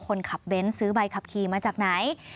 คนขับเบนท์ซื้อใบขับขี่มาจากไหน